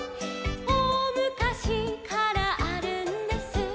「おおむかしからあるんです」